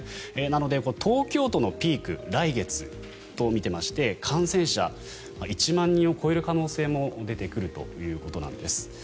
なので、東京都のピーク来月と見ていまして感染者、１万人を超える可能性も出てくるということなんです。